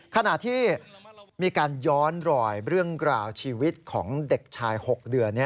ขณะที่มีการย้อนรอยเรื่องราวชีวิตของเด็กชาย๖เดือน